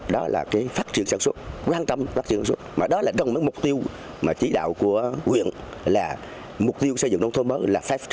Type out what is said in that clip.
điều này là điều mà chúng ta phải làm